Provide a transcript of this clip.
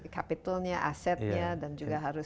capitalnya asetnya dan juga harus